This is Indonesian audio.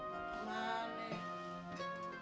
tadasih t grants